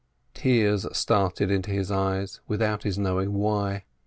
Tears started into his eyes without his knowing why.